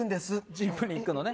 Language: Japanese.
ジムに行くのね